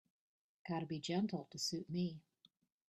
Gotta be gentle to suit me.